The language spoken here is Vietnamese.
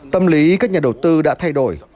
tâm lý các nhà đầu tư đã thay đổi